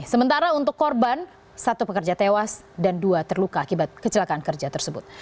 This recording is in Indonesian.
sementara untuk korban satu pekerja tewas dan dua terluka akibat kecelakaan kerja tersebut